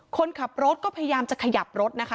คนขับรถก็พยายามจะขยับรถนะคะ